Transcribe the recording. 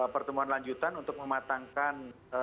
pertemuan lanjutan untuk mematangkan